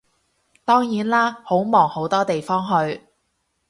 當然啦，好忙好多地方去